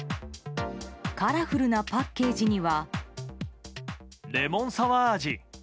カラフルなパッケージには。